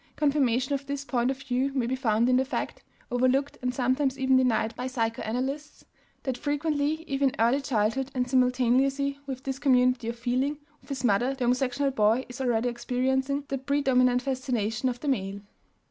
Confirmation of this point of view may be found in the fact overlooked and sometimes even denied by psychoanalysts that frequently, even in early childhood and simultaneously with this community of feeling with his mother, the homosexual boy is already experiencing the predominant fascination of the male.